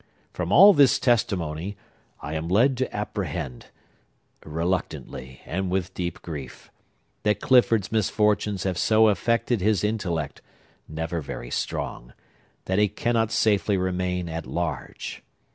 From all this testimony, I am led to apprehend—reluctantly, and with deep grief—that Clifford's misfortunes have so affected his intellect, never very strong, that he cannot safely remain at large.